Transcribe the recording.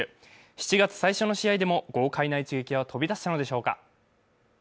７月最初の試合でも豪快な一撃は飛び出すのでしょうか。